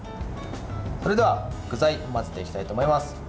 それでは、具材を混ぜていきたいと思います。